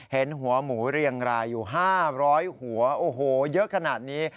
เห็นหัวหมูเรียงรายอยู่๕๐๐หัวโอ้โหเยอะขนาดนี้